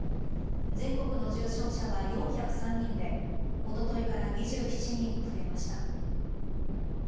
全国の重症者は４０３人で、おとといから２７人増えました。